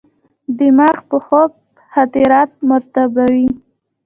دماغ په خوب خاطرات مرتبوي.